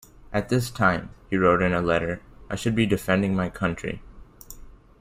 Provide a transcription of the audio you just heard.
"At this time," he wrote in a letter, "I should be defending my country.